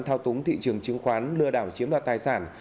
thao túng thị trường chứng khoán lừa đảo chiếm đoạt tài sản